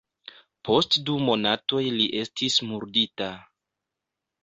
Post du monatoj li estis murdita.